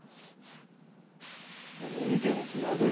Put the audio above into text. おめえみてえなやつ殴る